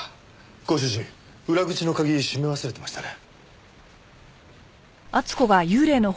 ご主人裏口の鍵閉め忘れてましたね。